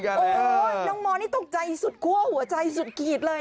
น้องมอนตกใจสุดภักษ์ใจสุดกีดเลย